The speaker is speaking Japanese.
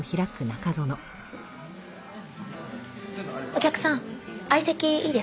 お客さん相席いいですか？